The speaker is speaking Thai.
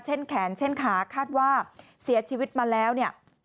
แขนเช่นขาคาดว่าเสียชีวิตมาแล้วเนี่ย